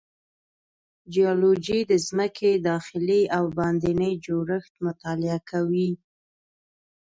جیولوجی د ځمکې داخلي او باندینی جوړښت مطالعه کوي.